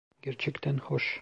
Gerçekten hoş.